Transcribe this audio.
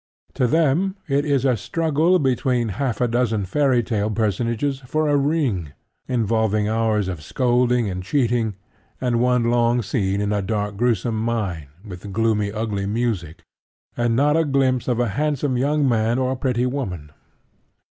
To them it is a struggle between half a dozen fairytale personages for a ring, involving hours of scolding and cheating, and one long scene in a dark gruesome mine, with gloomy, ugly music, and not a glimpse of a handsome young man or pretty woman.